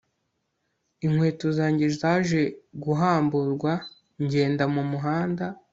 Inkweto zanjye zaje guhamburwa ngenda mu muhanda